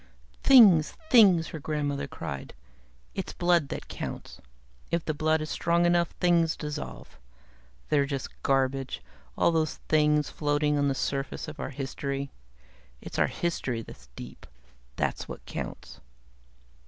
"Things, things!" her grandmother cried. "It's blood that counts. If the blood is strong enough, things dissolve. They're just garbage, all those things, floating on the surface of our history. It's our history that's deep. That's what counts."